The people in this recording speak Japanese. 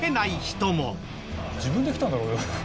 自分で来たんだろ。